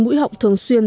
mũi họng thường xuyên